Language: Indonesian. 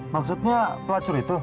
maksudnya pelacur itu